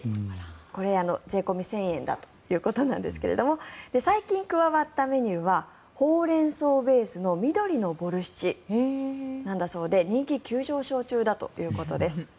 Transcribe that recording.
これ、税込み１０００円だということですが最近加わったメニューはほうれん草ベースの緑のボルシチなんだそうで人気急上昇中だということです。